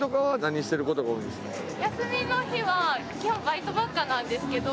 休みの日は基本バイトばっかなんですけど。